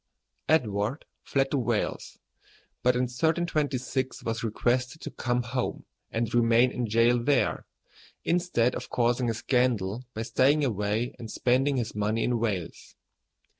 Edward fled to Wales, but in 1326 was requested to come home and remain in jail there, instead of causing a scandal by staying away and spending his money in Wales.